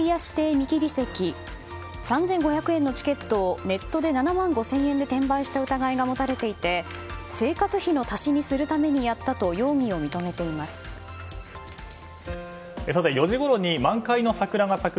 見切り席３５００円のチケットをネットで７万５０００円で転売した疑いがもたれていて生活費の足しにするためにやったと４時ごろに満開の桜が咲く